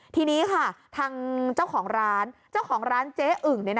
ทีนี้ค่ะทางเจ้าของร้านเจ้าของร้านเจ๊อึ่ง